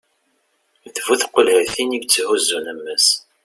d bu tqulhatin i yetthuzzun ammas